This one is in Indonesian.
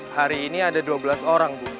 hari ini ada dua belas orang bu